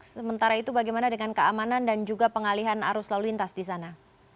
sementara itu bagaimana dengan keamanan dan juga pengalihan arus lalu lintas di sana